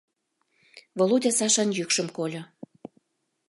— Володя Сашан йӱкшым кольо.